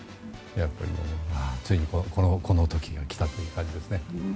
やっぱり、ついにこの時が来たという感じですね。